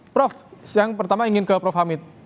prof yang pertama ingin ke prof hamid